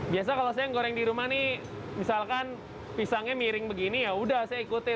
biasa kalau saya goreng di rumah nih misalkan pisangnya miring begini yaudah saya ikutin